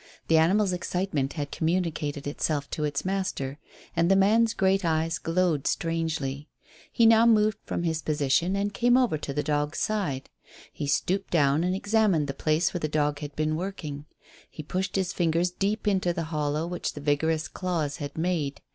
The animal's excitement had communicated itself to its master, and the man's great eyes glowed strangely. He now moved from his position and came over to the dog's side. He stooped down and examined the place where the dog had been working. He pushed his fingers deep into the hollow which the vigorous claws had made.